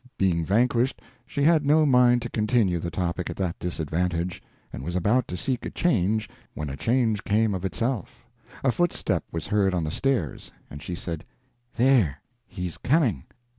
Being vanquished, she had no mind to continue the topic at that disadvantage, and was about to seek a change when a change came of itself. A footstep was heard on the stairs, and she said: "There he's coming!"